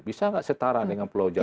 bisa nggak setara dengan pulau jawa